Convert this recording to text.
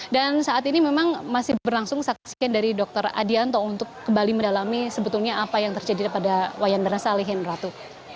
dan saat ini memang masih berlangsung saksikan dari dokter adianto untuk kembali mendalami sebetulnya apa yang terjadi pada wayandana salehin ratu